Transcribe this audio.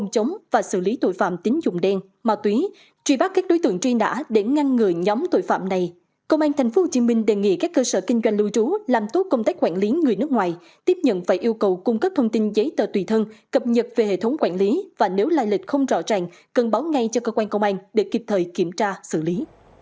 công an tp hcm đề nghị các cơ sở kinh doanh lưu trú làm tốt công tác quản lý người nước ngoài tiếp nhận và yêu cầu cung cấp thông tin giấy tờ tùy thân cập nhật về hệ thống quản lý và nếu lai lịch không rõ ràng cần báo ngay cho cơ quan công an để kịp thời kiểm tra xử lý